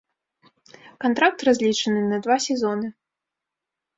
Кантракт разлічаны на два сезоны.